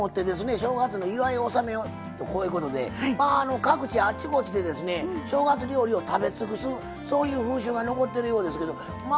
正月の祝い納めをとこういうことでまあ各地あちこちでですね正月料理を食べ尽くすそういう風習が残ってるようですけどまあ